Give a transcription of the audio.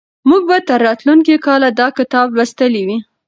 موږ به تر راتلونکي کاله دا کتاب لوستلی وي.